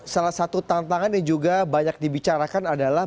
salah satu tantangan yang juga banyak dibicarakan adalah